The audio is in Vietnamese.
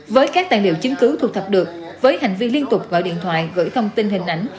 với các tài liệu chính cứu thuộc thập được với hành vi liên tục gọi điện thoại gửi thông tin hình ảnh